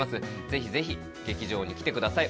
ぜひぜひ劇場に来てください